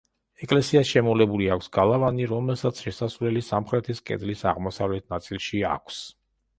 ეკლესიას შემოვლებული აქვს გალავანი, რომელსაც შესასვლელი სამხრეთის კედლის აღმოსავლეთ ნაწილში აქვს.